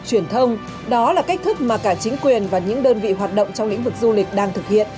truyền thông đó là cách thức mà cả chính quyền và những đơn vị hoạt động trong lĩnh vực du lịch đang thực hiện